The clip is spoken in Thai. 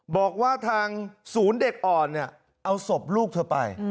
บอกว่าทางศูนย์เด็กอ่อนเนี่ยเอาศพลูกเธอไป